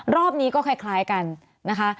รอบนี้ก็คล้ายกันนะคะ